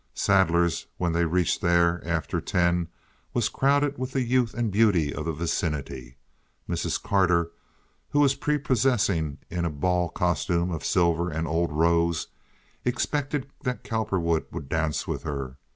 Saddler's, when they reached there after ten, was crowded with the youth and beauty of the vicinity. Mrs. Carter, who was prepossessing in a ball costume of silver and old rose, expected that Cowperwood would dance with her.